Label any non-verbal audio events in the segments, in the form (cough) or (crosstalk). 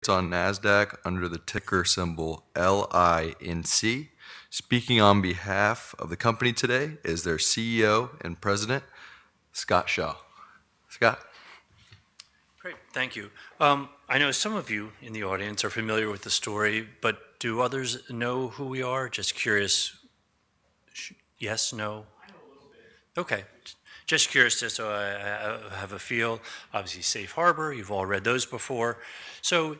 It's on NASDAQ under the ticker symbol LINC. Speaking on behalf of the company today is their CEO and President, Scott Shaw. Scott? Great, thank you. I know some of you in the audience are familiar with the story, but do others know who we are? Just curious. Yes, no? I know a little bit. Okay. Just curious just so I have a feel. Obviously, Safe Harbor, you've all read those before.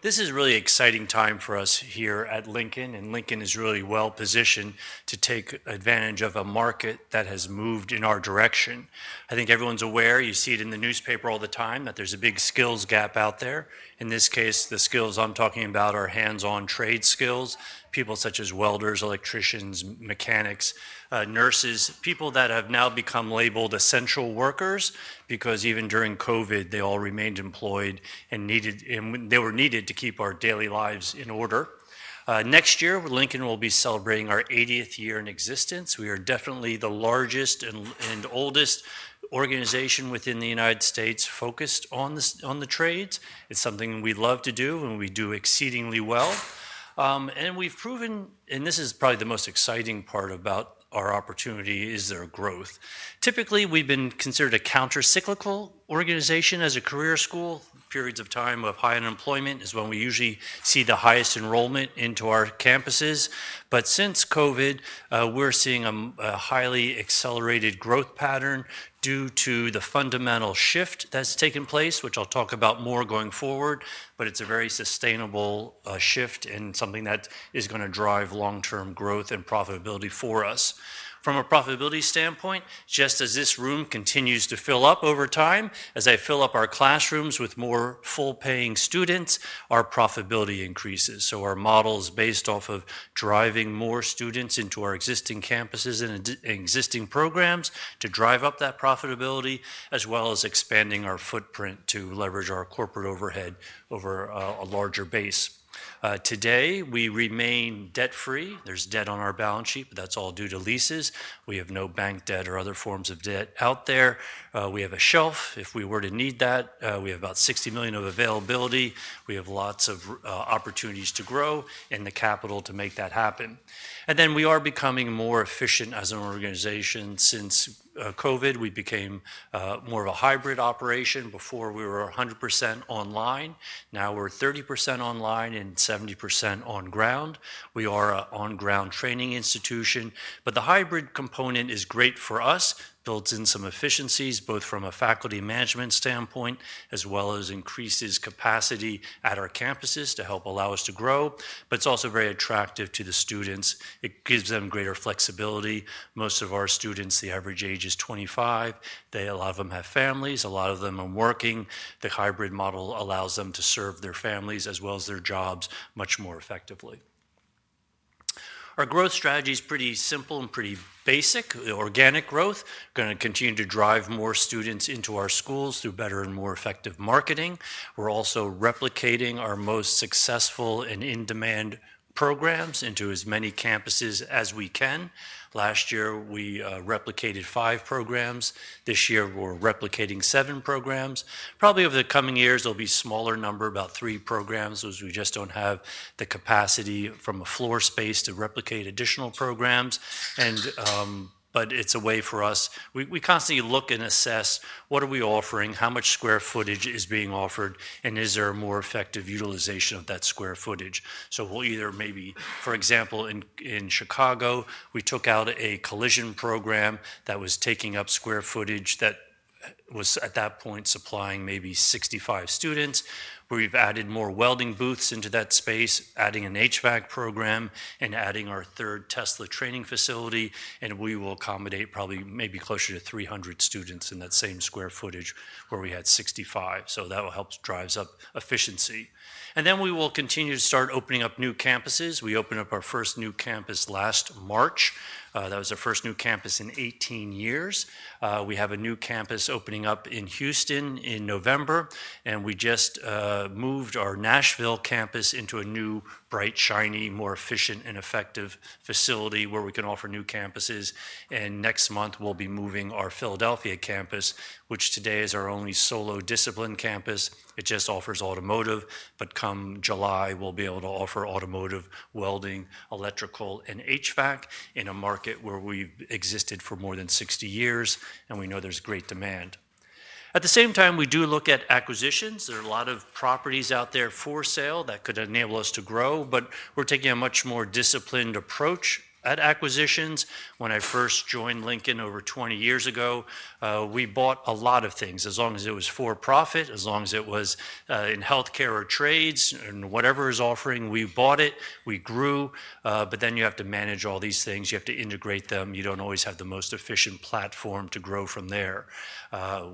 This is a really exciting time for us here at Lincoln, and Lincoln is really well positioned to take advantage of a market that has moved in our direction. I think everyone's aware, you see it in the newspaper all the time, that there's a big skills gap out there. In this case, the skills I'm talking about are hands-on trade skills. People such as welders, electricians, mechanics, nurses, people that have now become labeled essential workers because even during COVID, they all remained employed and needed, and they were needed to keep our daily lives in order. Next year, Lincoln will be celebrating our 80th year in existence. We are definitely the largest and oldest organization within the United States focused on the trades. It's something we love to do, and we do exceedingly well. We've proven, and this is probably the most exciting part about our opportunity, is our growth. Typically, we've been considered a countercyclical organization as a career school. Periods of time of high unemployment is when we usually see the highest enrollment into our campuses. Since COVID, we're seeing a highly accelerated growth pattern due to the fundamental shift that's taken place, which I'll talk about more going forward, but it's a very sustainable shift and something that is going to drive long-term growth and profitability for us. From a profitability standpoint, just as this room continues to fill up over time, as I fill up our classrooms with more full-paying students, our profitability increases. Our model is based off of driving more students into our existing campuses and existing programs to drive up that profitability, as well as expanding our footprint to leverage our corporate overhead over a larger base. Today, we remain debt-free. There is debt on our balance sheet, but that is all due to leases. We have no bank debt or other forms of debt out there. We have a shelf if we were to need that. We have about $60 million of availability. We have lots of opportunities to grow and the capital to make that happen. We are becoming more efficient as an organization. Since COVID, we became more of a hybrid operation. Before, we were 100% online. Now we are 30% online and 70% on ground. We are an on-ground training institution. The hybrid component is great for us, builds in some efficiencies, both from a faculty management standpoint as well as increases capacity at our campuses to help allow us to grow. It is also very attractive to the students. It gives them greater flexibility. Most of our students, the average age is 25. A lot of them have families. A lot of them are working. The hybrid model allows them to serve their families as well as their jobs much more effectively. Our growth strategy is pretty simple and pretty basic. Organic growth. We are going to continue to drive more students into our schools through better and more effective marketing. We are also replicating our most successful and in-demand programs into as many campuses as we can. Last year, we replicated five programs. This year, we are replicating seven programs. Probably over the coming years, there'll be a smaller number, about three programs, as we just don't have the capacity from a floor space to replicate additional programs. But it's a way for us—we constantly look and assess what are we offering, how much square footage is being offered, and is there a more effective utilization of that square footage. We'll either maybe, for example, in Chicago, we took out a collision program that was taking up square footage that was at that point supplying maybe 65 students. We've added more welding booths into that space, adding an HVAC program, and adding our third Tesla training facility. We will accommodate probably maybe closer to 300 students in that same square footage where we had 65. That helps drive up efficiency. We will continue to start opening up new campuses. We opened up our first new campus last March. That was our first new campus in 18 years. We have a new campus opening up in Houston in November. We just moved our Nashville campus into a new, bright, shiny, more efficient, and effective facility where we can offer new campuses. Next month, we'll be moving our Philadelphia campus, which today is our only solo discipline campus. It just offers Automotive. Come July, we'll be able to offer Automotive, Welding, Electrical, and HVAC in a market where we've existed for more than 60 years, and we know there's great demand. At the same time, we do look at acquisitions. There are a lot of properties out there for sale that could enable us to grow, but we're taking a much more disciplined approach at acquisitions. When I first joined Lincoln over 20 years ago, we bought a lot of things. As long as it was for-profit, as long as it was in healthcare or trades, and whatever it was offering, we bought it. We grew. Then you have to manage all these things. You have to integrate them. You do not always have the most efficient platform to grow from there.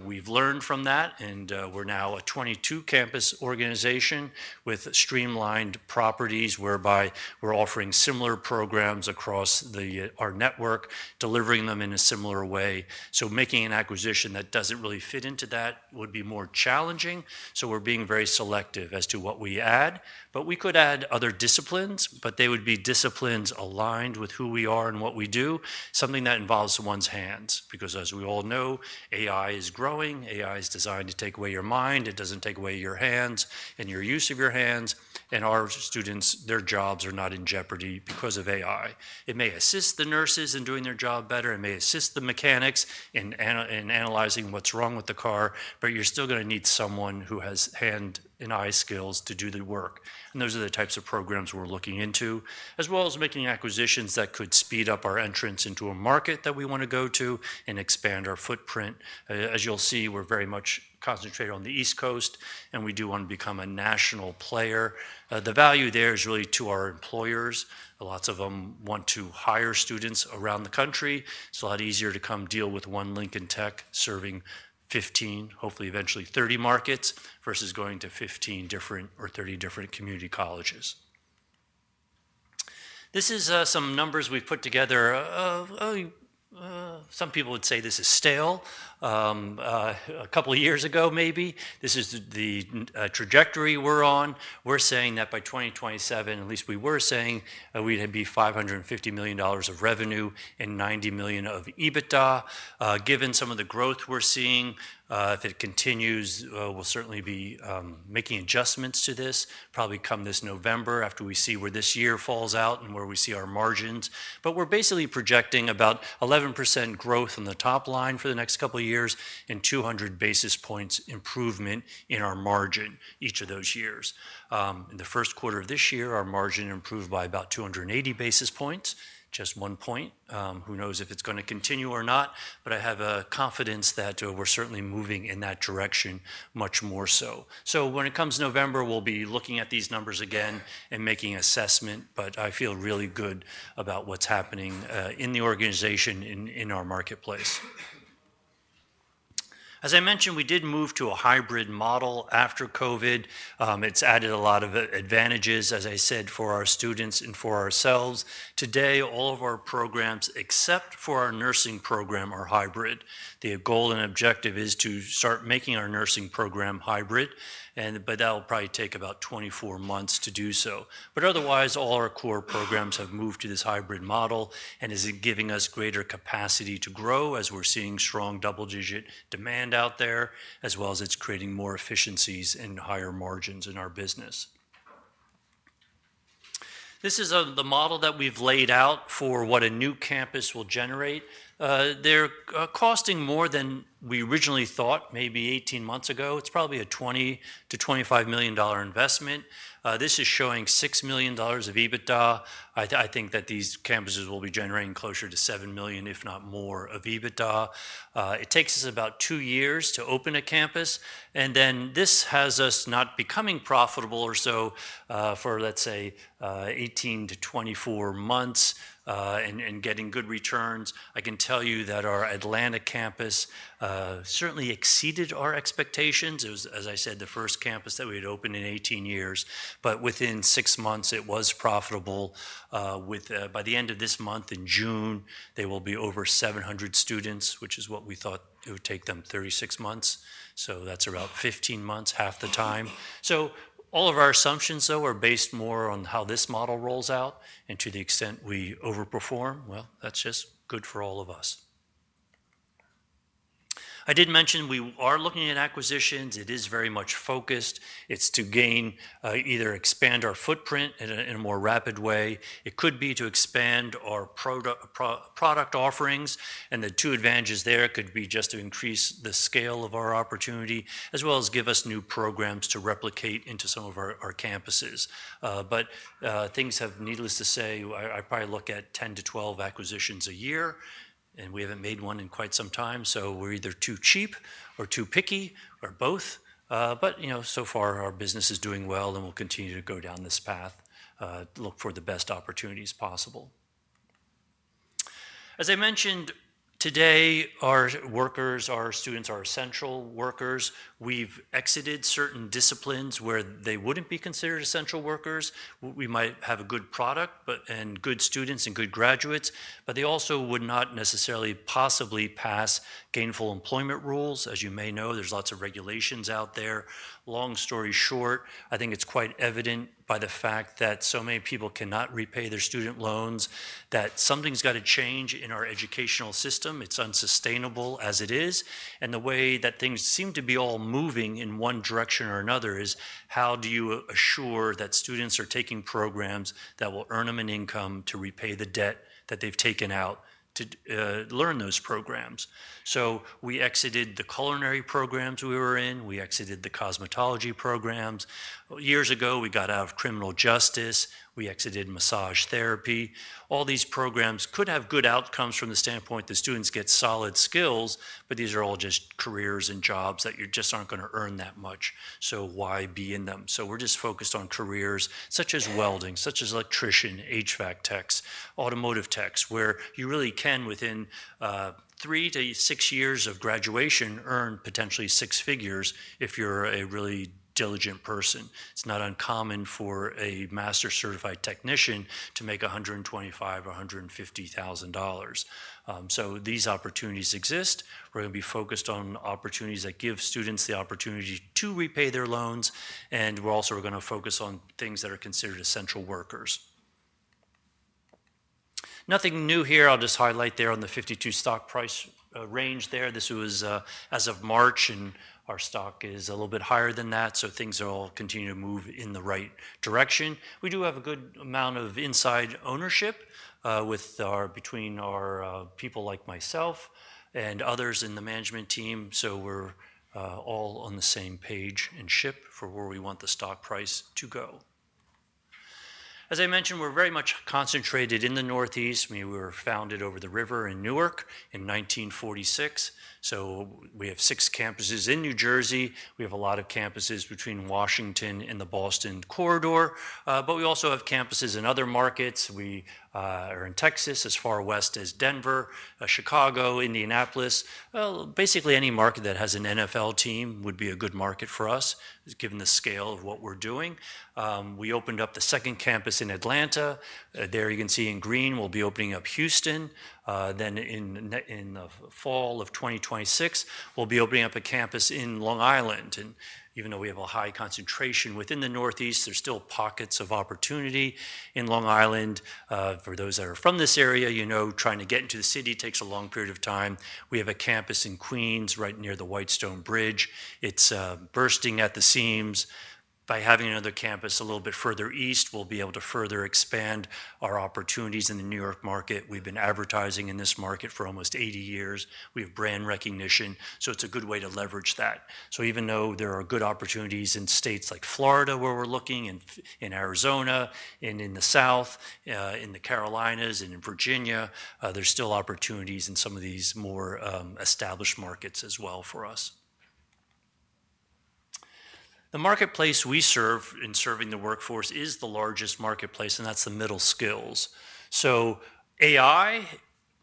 We have learned from that, and we are now a 22-campus organization with streamlined properties whereby we are offering similar programs across our network, delivering them in a similar way. Making an acquisition that does not really fit into that would be more challenging. We are being very selective as to what we add. We could add other disciplines, but they would be disciplines aligned with who we are and what we do, something that involves one's hands. As we all know, AI is growing. AI is designed to take away your mind. It does not take away your hands and your use of your hands. Our students, their jobs are not in jeopardy because of AI. It may assist the nurses in doing their job better. It may assist the mechanics in analyzing what is wrong with the car, but you are still going to need someone who has hand and eye skills to do the work. Those are the types of programs we are looking into, as well as making acquisitions that could speed up our entrance into a market that we want to go to and expand our footprint. As you will see, we are very much concentrated on the East Coast, and we do want to become a national player. The value there is really to our employers. Lots of them want to hire students around the country. It's a lot easier to come deal with one Lincoln Tech serving 15, hopefully eventually 30 markets versus going to 15 different or 30 different community colleges. This is some numbers we've put together. Some people would say this is stale. A couple of years ago, maybe. This is the trajectory we're on. We're saying that by 2027, at least we were saying, we'd be $550 million of revenue and $90 million of EBITDA. Given some of the growth we're seeing, if it continues, we'll certainly be making adjustments to this, probably come this November after we see where this year falls out and where we see our margins. But we're basically projecting about 11% growth in the top line for the next couple of years and 200 basis points improvement in our margin each of those years. In the first quarter of this year, our margin improved by about 280 basis points, just one point. Who knows if it's going to continue or not, but I have confidence that we're certainly moving in that direction much more so. When it comes to November, we'll be looking at these numbers again and making an assessment, but I feel really good about what's happening in the organization in our marketplace. As I mentioned, we did move to a hybrid model after COVID. It's added a lot of advantages, as I said, for our students and for ourselves. Today, all of our programs, except for our nursing program, are hybrid. The goal and objective is to start making our nursing program hybrid, but that will probably take about 24 months to do so. Otherwise, all our core programs have moved to this hybrid model and is giving us greater capacity to grow as we're seeing strong double-digit demand out there, as well as it's creating more efficiencies and higher margins in our business. This is the model that we've laid out for what a new campus will generate. They're costing more than we originally thought, maybe 18 months ago. It's probably a $20 million-$25 million investment. This is showing $6 million of EBITDA. I think that these campuses will be generating closer to $7 million, if not more, of EBITDA. It takes us about two years to open a campus. This has us not becoming profitable or so for, let's say, 18-24 months and getting good returns. I can tell you that our Atlanta campus certainly exceeded our expectations. It was, as I said, the first campus that we had opened in 18 years. Within six months, it was profitable. By the end of this month, in June, they will be over 700 students, which is what we thought it would take them 36 months. That is about 15 months, half the time. All of our assumptions, though, are based more on how this model rolls out and to the extent we overperform. That is just good for all of us. I did mention we are looking at acquisitions. It is very much focused. It is to gain either expand our footprint in a more rapid way. It could be to expand our product offerings. The two advantages there could be just to increase the scale of our opportunity, as well as give us new programs to replicate into some of our campuses. Things have, needless to say, I probably look at 10-12 acquisitions a year, and we have not made one in quite some time. We are either too cheap or too picky or both. So far, our business is doing well, and we will continue to go down this path, look for the best opportunities possible. As I mentioned, today, our workers, our students, are essential workers. We have exited certain disciplines where they would not be considered essential workers. We might have a good product and good students and good graduates, but they also would not necessarily possibly pass gainful employment rules. As you may know, there are lots of regulations out there. Long story short, I think it is quite evident by the fact that so many people cannot repay their student loans that something has got to change in our educational system. It is unsustainable as it is. The way that things seem to be all moving in one direction or another is how do you assure that students are taking programs that will earn them an income to repay the debt that they've taken out to learn those programs. We exited the culinary programs we were in. We exited the cosmetology programs. Years ago, we got out of criminal justice. We exited massage therapy. All these programs could have good outcomes from the standpoint that students get solid skills, but these are all just careers and jobs that you just aren't going to earn that much. Why be in them? We're just focused on careers such as Welding, such as Electrician, HVAC techs, Automotive techs, where you really can, within three to six years of graduation, earn potentially six figures if you're a really diligent person. It's not uncommon for a master-certified technician to make $125,000 or $150,000. These opportunities exist. We're going to be focused on opportunities that give students the opportunity to repay their loans. We're also going to focus on things that are considered essential workers. Nothing new here. I'll just highlight there on the $52 stock price range there. This was as of March, and our stock is a little bit higher than that. Things are all continuing to move in the right direction. We do have a good amount of inside ownership between our people like myself and others in the management team. We're all on the same page and ship for where we want the stock price to go. As I mentioned, we're very much concentrated in the Northeast. We were founded over the river in Newark in 1946. We have six campuses in New Jersey. We have a lot of campuses between Washington and the Boston corridor. We also have campuses in other markets. We are in Texas as far west as Denver, Chicago, Indianapolis. Basically, any market that has an NFL team would be a good market for us, given the scale of what we're doing. We opened up the second campus in Atlanta. There you can see in green, we'll be opening up Houston. In the fall of 2026, we'll be opening up a campus in Long Island. Even though we have a high concentration within the Northeast, there's still pockets of opportunity in Long Island. For those that are from this area, trying to get into the city takes a long period of time. We have a campus in Queens right near the Whitestone Bridge. It's bursting at the seams. By having another campus a little bit further east, we'll be able to further expand our opportunities in the New York market. We've been advertising in this market for almost 80 years. We have brand recognition. It's a good way to leverage that. Even though there are good opportunities in states like Florida where we're looking and in Arizona and in the South, in the Carolinas and in Virginia, there's still opportunities in some of these more established markets as well for us. The marketplace we serve in serving the workforce is the largest marketplace, and that's the middle skills. AI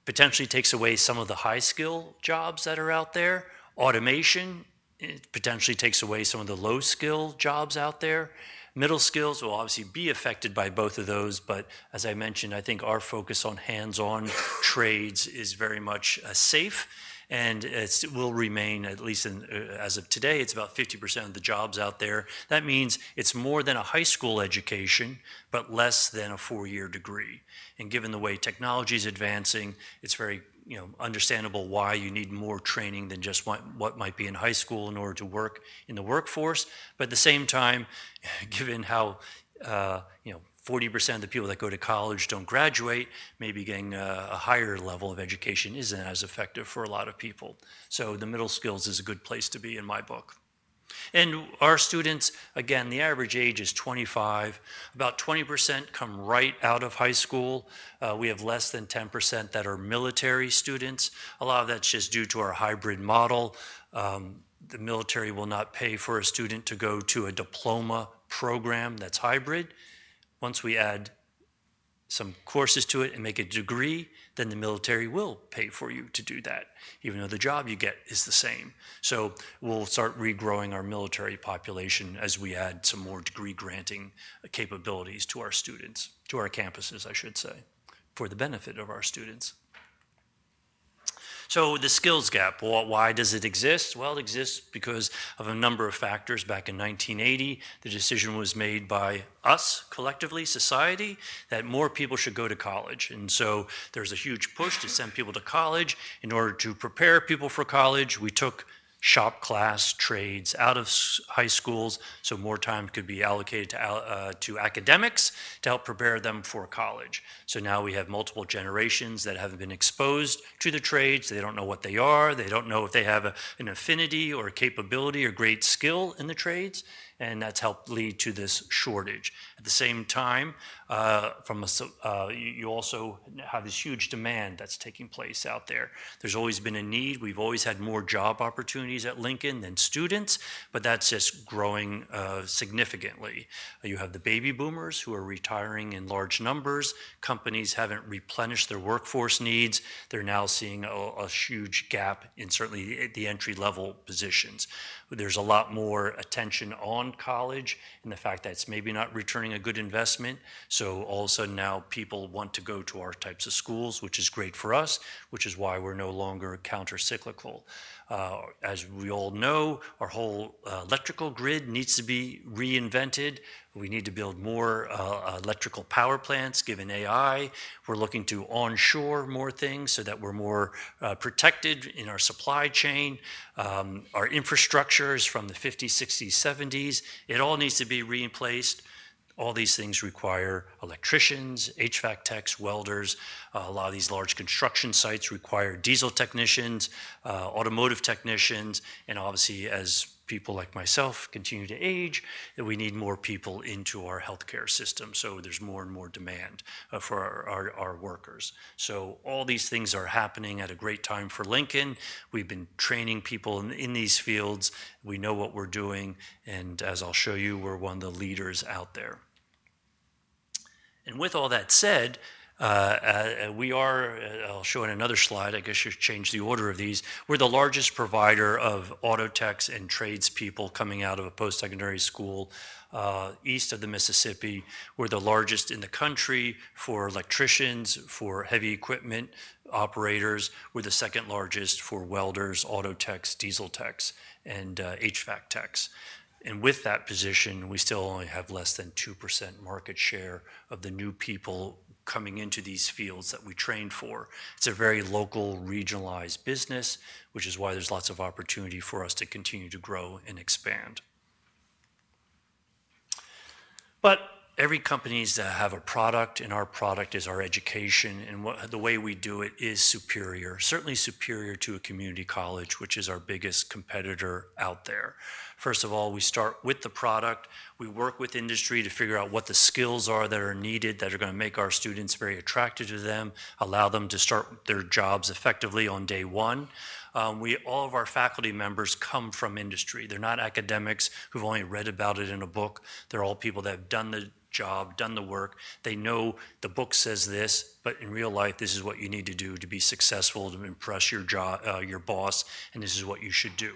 potentially takes away some of the high-skill jobs that are out there. Automation potentially takes away some of the low-skill jobs out there. Middle skills will obviously be affected by both of those. As I mentioned, I think our focus on hands-on trades is very much safe. It will remain, at least as of today, it's about 50% of the jobs out there. That means it's more than a high school education, but less than a four-year degree. Given the way technology is advancing, it's very understandable why you need more training than just what might be in high school in order to work in the workforce. At the same time, given how 40% of the people that go to college don't graduate, maybe getting a higher level of education isn't as effective for a lot of people. The middle skills is a good place to be in my book. Our students, again, the average age is 25. About 20% come right out of high school. We have less than 10% that are military students. A lot of that's just due to our hybrid model. The military will not pay for a student to go to a diploma program that's hybrid. Once we add some courses to it and make a degree, then the military will pay for you to do that, even though the job you get is the same. We'll start regrowing our military population as we add some more degree-granting capabilities to our students, to our campuses, I should say, for the benefit of our students. The skills gap, why does it exist? It exists because of a number of factors. Back in 1980, the decision was made by us collectively, society, that more people should go to college. There was a huge push to send people to college in order to prepare people for college. We took shop class trades out of high schools so more time could be allocated to academics to help prepare them for college. Now we have multiple generations that have not been exposed to the trades. They do not know what they are. They do not know if they have an affinity or a capability or great skill in the trades. That has helped lead to this shortage. At the same time, you also have this huge demand that is taking place out there. There has always been a need. We have always had more job opportunities at Lincoln than students, but that is just growing significantly. You have the baby boomers who are retiring in large numbers. Companies have not replenished their workforce needs. They are now seeing a huge gap in certainly the entry-level positions. There is a lot more attention on college and the fact that it is maybe not returning a good investment. All of a sudden now people want to go to our types of schools, which is great for us, which is why we're no longer countercyclical. As we all know, our whole electrical grid needs to be reinvented. We need to build more electrical power plants given AI. We're looking to onshore more things so that we're more protected in our supply chain. Our infrastructure is from the 1950s, 1960s, 1970s. It all needs to be replaced. All these things require electricians, HVAC techs, welders. A lot of these large construction sites require Diesel technicians, Automotive technicians. Obviously, as people like myself continue to age, we need more people into our Healthcare system. There's more and more demand for our workers. All these things are happening at a great time for Lincoln. We've been training people in these fields. We know what we're doing. As I'll show you, we're one of the leaders out there. With all that said, I'll show it in another slide. I guess you should change the order of these. We're the largest provider of Auto techs and tradespeople coming out of a post-secondary school east of the Mississippi. We're the largest in the country for electricians, for heavy equipment operators. We're the second largest for welders, Auto techs, Diesel techs, and HVAC techs. With that position, we still only have less than 2% market share of the new people coming into these fields that we train for. It's a very local, regionalized business, which is why there's lots of opportunity for us to continue to grow and expand. Every company that has a product, and our product is our education, and the way we do it is superior, certainly superior to a community college, which is our biggest competitor out there. First of all, we start with the product. We work with industry to figure out what the skills are that are needed that are going to make our students very attracted to them, allow them to start their jobs effectively on day one. All of our faculty members come from industry. They're not academics who've only read about it in a book. They're all people that have done the job, done the work. They know the book says this, but in real life, this is what you need to do to be successful, to impress your boss, and this is what you should do.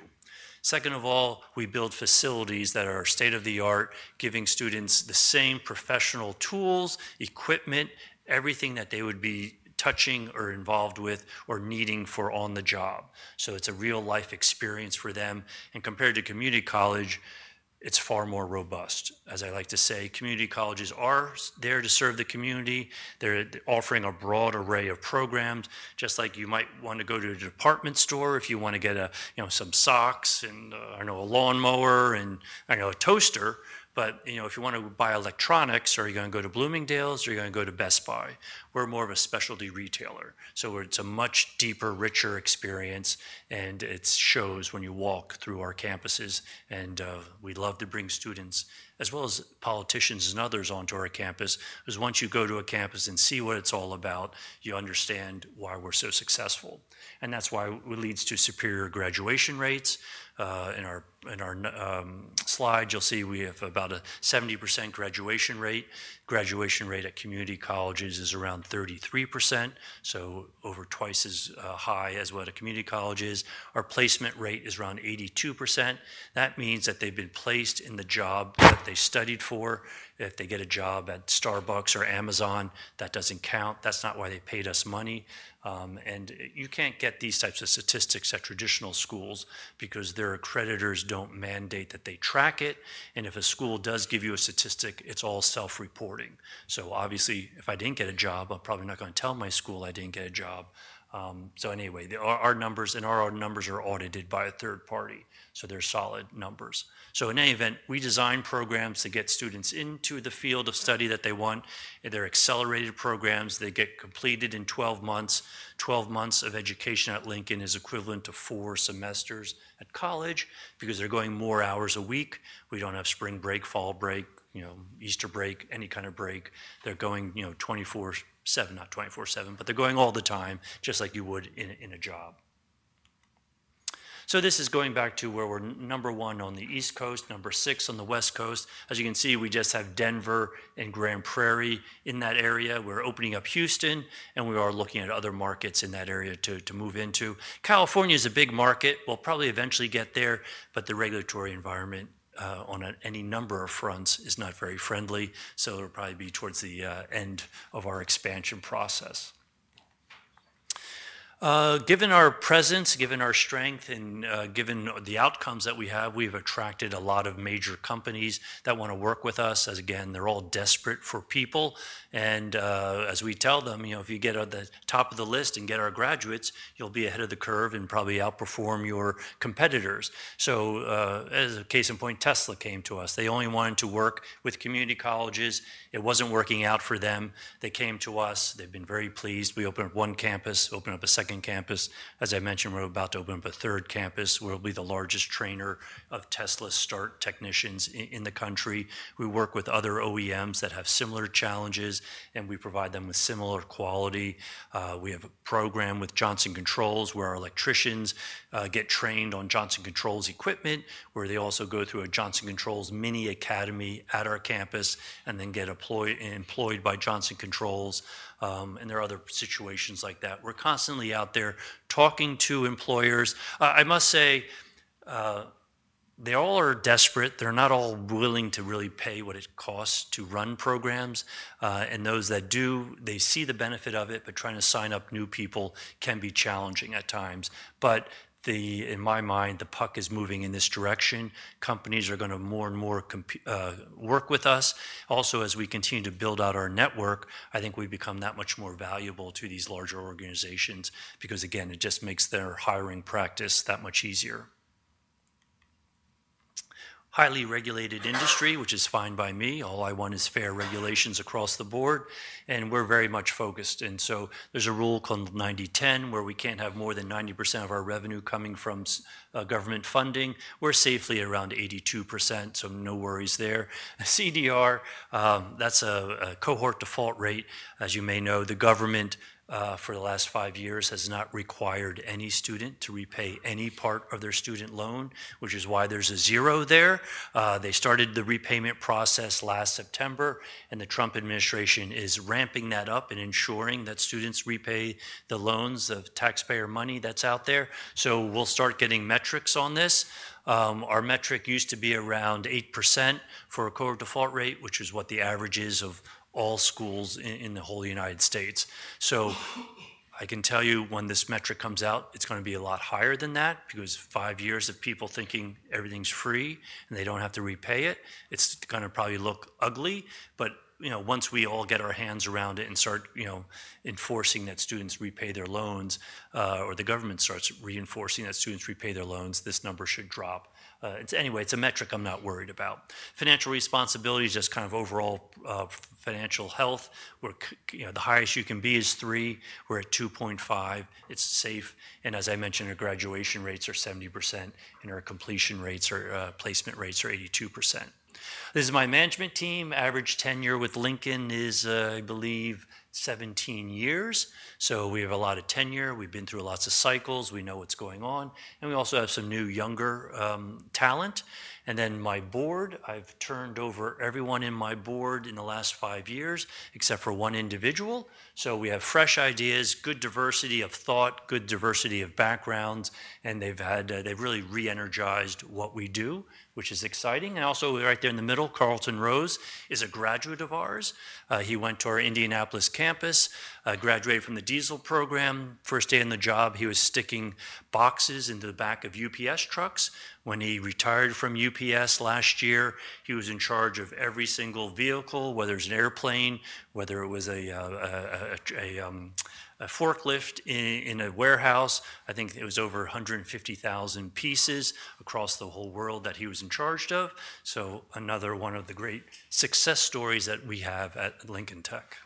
Second of all, we build facilities that are state-of-the-art, giving students the same professional tools, equipment, everything that they would be touching or involved with or needing for on-the-job. So it's a real-life experience for them. And compared to community college, it's far more robust. As I like to say, community colleges are there to serve the community. They're offering a broad array of programs, just like you might want to go to a department store if you want to get some socks and a lawnmower and a toaster. But if you want to buy electronics, are you going to go to Bloomingdale's or are you going to go to Best Buy? We're more of a specialty retailer. So it's a much deeper, richer experience. And it shows when you walk through our campuses. We'd love to bring students, as well as politicians and others, onto our campus because once you go to a campus and see what it's all about, you understand why we're so successful. That is why it leads to superior graduation rates. In our slide, you'll see we have about a 70% graduation rate. Graduation rate at community colleges is around 33%, so over twice as high as what a community college is. Our placement rate is around 82%. That means that they've been placed in the job that they studied for. If they get a job at Starbucks or Amazon, that doesn't count. That's not why they paid us money. You can't get these types of statistics at traditional schools because their accreditors don't mandate that they track it. If a school does give you a statistic, it's all self-reporting. Obviously, if I didn't get a job, I'm probably not going to tell my school I didn't get a job. Anyway, our numbers are audited by a third-party. They're solid numbers. In any event, we design programs to get students into the field of study that they want. They're accelerated programs. They get completed in 12 months. Twelve months of education at Lincoln is equivalent to four semesters at college because they're going more hours a week. We don't have spring break, fall break, Easter break, any kind of break. They're going 24/7, not 24/7, but they're going all the time, just like you would in a job. This is going back to where we're number one on the East Coast, number six on the West Coast. As you can see, we just have Denver and Grand Prairie in that area. We're opening up Houston, and we are looking at other markets in that area to move into. California is a big market. We'll probably eventually get there, but the regulatory environment on any number of fronts is not very friendly. It will probably be towards the end of our expansion process. Given our presence, given our strength, and given the outcomes that we have, we've attracted a lot of major companies that want to work with us. Again, they're all desperate for people. As we tell them, if you get at the top of the list and get our graduates, you'll be ahead of the curve and probably outperform your competitors. As a case in point, Tesla came to us. They only wanted to work with community colleges. It wasn't working out for them. They came to us. They've been very pleased. We opened up one campus, opened up a second campus. As I mentioned, we're about to open up a third campus. We'll be the largest trainer of Tesla START technicians in the country. We work with other OEMs that have similar challenges, and we provide them with similar quality. We have a program with Johnson Controls where our electricians get trained on Johnson Controls equipment, where they also go through a Johnson Controls mini academy at our campus and then get employed by Johnson Controls. There are other situations like that. We're constantly out there talking to employers. I must say, they all are desperate. They're not all willing to really pay what it costs to run programs. Those that do, they see the benefit of it, but trying to sign up new people can be challenging at times. In my mind, the puck is moving in this direction. Companies are going to more and more work with us. Also, as we continue to build out our network, I think we become that much more valuable to these larger organizations because, again, it just makes their hiring practice that much easier. Highly regulated industry, which is fine by me. All I want is fair regulations across the Board. And we're very much focused. There is a rule called 90/10 where we can't have more than 90% of our revenue coming from government funding. We're safely around 82%, so no worries there. CDR, that's a Cohort Default Rate. As you may know, the government for the last five years has not required any student to repay any part of their student loan, which is why there's a zero there. They started the repayment process last September, and the Trump Administration is ramping that up and ensuring that students repay the loans of taxpayer money that's out there. We'll start getting metrics on this. Our metric used to be around 8% for a Cohort Default Rate, which is what the average is of all schools in the whole United States. I can tell you when this metric comes out, it's going to be a lot higher than that because five years of people thinking everything's free and they don't have to repay it, it's going to probably look ugly. Once we all get our hands around it and start enforcing that students repay their loans or the government starts reinforcing that students repay their loans, this number should drop. Anyway, it's a metric I'm not worried about. Financial responsibility is just kind of overall financial health. The highest you can be is 3%. We're at 2.5%. It's safe. As I mentioned, our graduation rates are 70% and our completion rates or placement rates are 82%. This is my Management team. Average tenure with Lincoln is, I believe, 17 years. We have a lot of tenure. We've been through lots of cycles. We know what's going on. We also have some new younger talent. My Board, I've turned over everyone in my Board in the last five years except for one individual. We have fresh ideas, good diversity of thought, good diversity of backgrounds, and they've really re-energized what we do, which is exciting. Also right there in the middle, Carlton Rose is a graduate of ours. He went to our Indianapolis campus, graduated from the Diesel program. First day on the job, he was sticking boxes into the back of UPS trucks. When he retired from UPS last year, he was in charge of every single vehicle, whether it was an airplane, whether it was a forklift in a warehouse. I think it was over 150,000 pieces across the whole world that he was in charge of. Another one of the great success stories that we have at Lincoln Tech.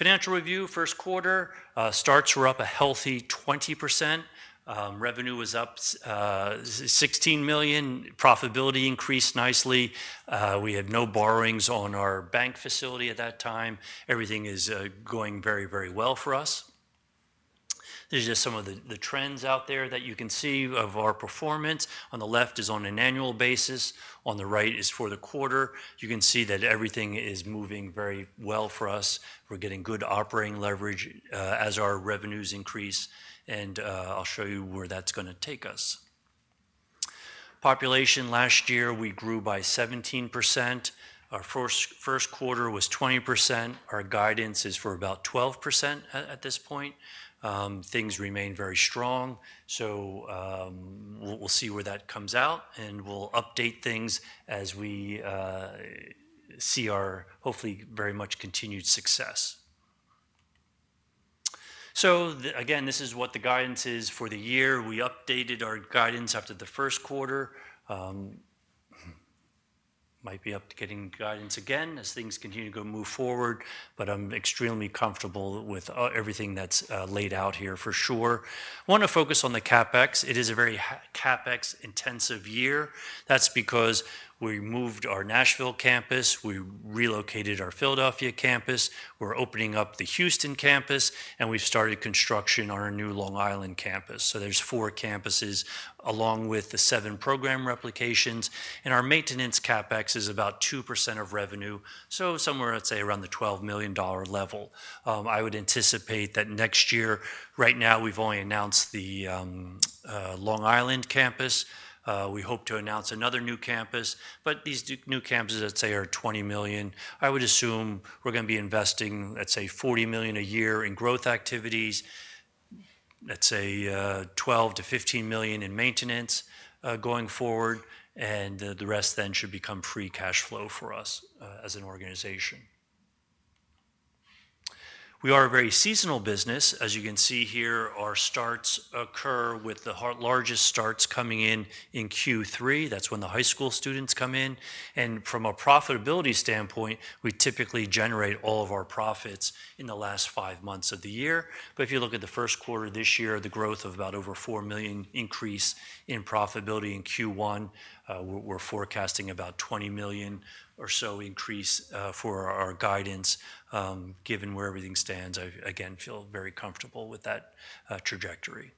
Financial Review, first quarter, starts were up a healthy 20%. Revenue was up $16 million. Profitability increased nicely. We had no borrowings on our bank facility at that time. Everything is going very, very well for us. These are just some of the trends out there that you can see of our performance. On the left is on an annual basis. On the right is for the quarter. You can see that everything is moving very well for us. We're getting good operating leverage as our revenues increase. I'll show you where that's going to take us. Population last year, we grew by 17%. Our first quarter was 20%. Our guidance is for about 12% at this point. Things remain very strong. We'll see where that comes out, and we'll update things as we see our hopefully very much continued success. This is what the guidance is for the year. We updated our guidance after the first quarter. Might be up to getting guidance again as things continue to move forward, but I'm extremely comfortable with everything that's laid out here for sure. I want to focus on the CapEx. It is a very CapEx-intensive year. That's because we moved our Nashville campus. We relocated our Philadelphia campus. We're opening up the Houston campus, and we've started construction on our new Long Island campus. There are four campuses along with the seven program replications. Our maintenance CapEx is about 2% of revenue, so somewhere, I'd say, around the $12 million level. I would anticipate that next year, right now, we've only announced the Long Island campus. We hope to announce another new campus. These new campuses, I'd say, are $20 million. I would assume we're going to be investing, I'd say, $40 million a year in growth activities. I'd say $12 million-$15 million in maintenance going forward. The rest then should become free cash flow for us as an organization. We are a very seasonal business. As you can see here, our starts occur with the largest starts coming in in Q3. That's when the high school students come in. From a profitability standpoint, we typically generate all of our profits in the last five months of the year. If you look at the first quarter this year, the growth of about over $4 million increase in profitability in Q1, we're forecasting about $20 million or so increase for our guidance. Given where everything stands, I again feel very comfortable with that trajectory.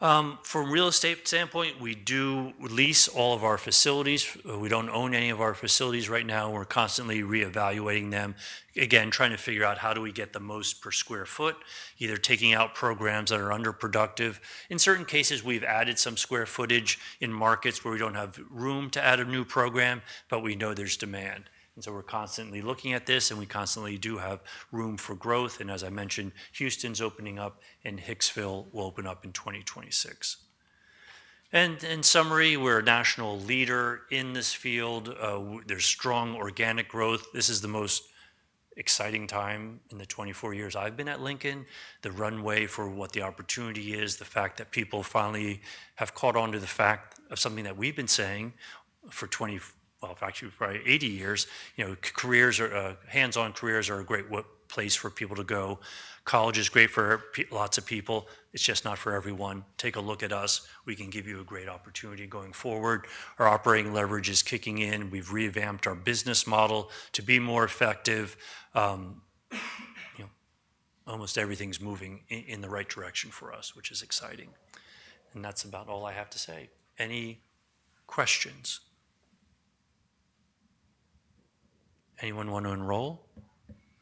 From a real estate standpoint, we do lease all of our facilities. We do not own any of our facilities right now. We're constantly reevaluating them, again, trying to figure out how do we get the most per square foot, either taking out programs that are underproductive. In certain cases, we've added some square footage in markets where we do not have room to add a new program, but we know there is demand. We are constantly looking at this, and we constantly do have room for growth. As I mentioned, Houston's opening up, and Hicksville will open up in 2026. In summary, we are a national leader in this field. There is strong organic growth. This is the most exciting time in the 24 years I have been at Lincoln. The runway for what the opportunity is, the fact that people finally have caught on to the fact of something that we have been saying for 20, well, actually probably 80 years. Hands-on careers are a great place for people to go. College is great for lots of people. It is just not for everyone. Take a look at us. We can give you a great opportunity going forward. Our operating leverage is kicking in. We have revamped our business model to be more effective. Almost everything's moving in the right direction for us, which is exciting. That's about all I have to say. Any questions? Anyone want to enroll?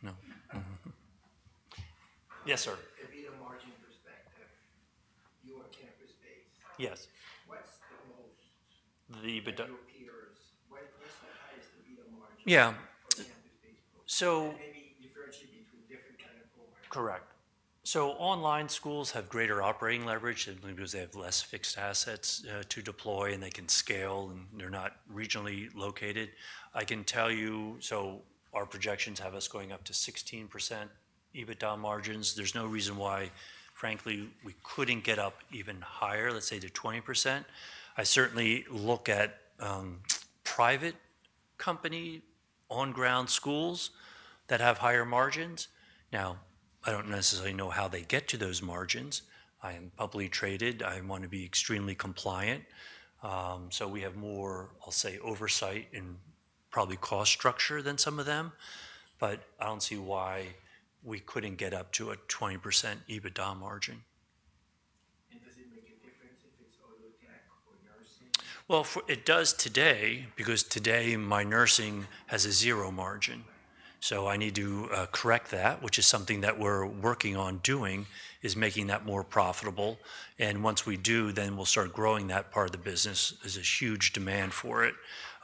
No. Yes, sir. The EBITDA margin perspective, your campus-based. Yes. What's the most? The EBITDA? Your peers. What's the highest EBITDA margin? Yeah. For campus-based programs? Maybe differentiate between different kinds of programs. Correct. Online schools have greater operating leverage. They have less fixed assets to deploy, and they can scale, and they're not regionally located. I can tell you, our projections have us going up to 16% EBITDA margins. There's no reason why, frankly, we couldn't get up even higher, let's say, to 20%. I certainly look at private company on-ground schools that have higher margins. Now, I don't necessarily know how they get to those margins. I am publicly traded. I want to be extremely compliant. We have more, I'll say, oversight and probably cost structure than some of them. I don't see why we couldn't get up to a 20% EBITDA margin. Does it make a difference if it's (audio distortion) or nursing? It does today because today my nursing has a zero margin. I need to correct that, which is something that we're working on doing, is making that more profitable. Once we do, then we'll start growing that part of the business. There's a huge demand for it.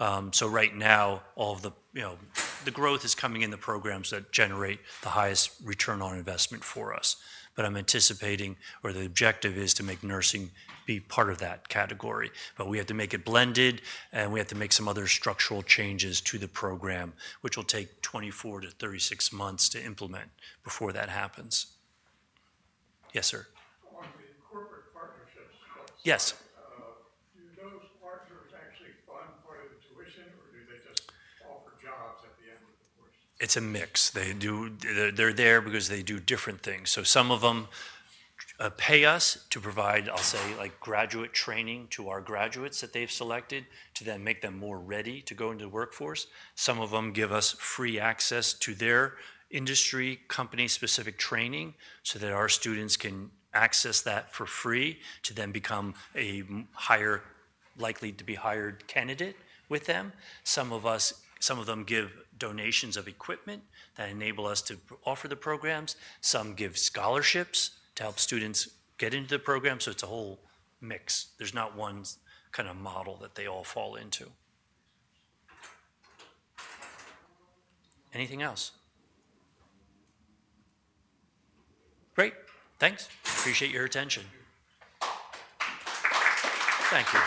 Right now, all of the growth is coming in the programs that generate the highest return on investment for us. I'm anticipating, or the objective is to make nursing be part of that category. We have to make it blended, and we have to make some other structural changes to the program, which will take 24 to 36 months to implement before that happens. Yes, sir. On the Corporate partnerships costs. Yes. Do those partners actually fund part of the tuition, or do they just offer jobs at the end of the course? It's a mix. They're there because they do different things. Some of them pay us to provide, I'll say, graduate training to our graduates that they've selected to then make them more ready to go into the workforce. Some of them give us free access to their industry company-specific training so that our students can access that for free to then become a likely to be hired candidate with them. Some of them give donations of equipment that enable us to offer the programs. Some give scholarships to help students get into the program. So it's a whole mix. There's not one kind of model that they all fall into. Anything else? Great. Thanks. Appreciate your attention. Thank you.